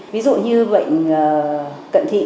ví dụ như bệnh cận thị